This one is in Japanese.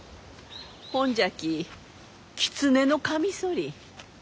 ほんじゃきキツネノカミソリ。